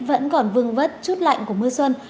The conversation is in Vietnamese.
vẫn còn vương vất chút lạnh của mưa xuân